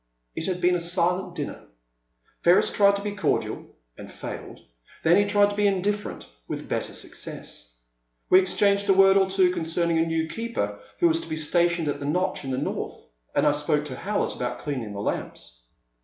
It had been a silent dinner. Ferris tried to be cordial, and failed. Then he tried to be indiffer ent, with better success. We exchanged a word or two concerning a new keeper who was to be stationed at the notch in the north, and I spoke to Howlett about cleaning the lamps.